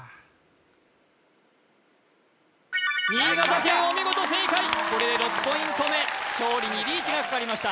新潟県お見事正解これで６ポイント目勝利にリーチがかかりました